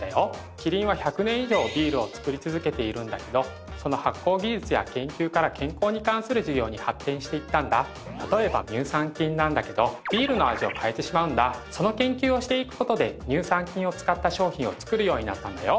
キリンは１００年以上ビールを造り続けているんだけどその発酵技術や研究から健康に関する事業に発展していったんだたとえば乳酸菌なんだけどビールの味を変えてしまうんだその研究をしていくことで乳酸菌を使った商品を作るようになったんだよ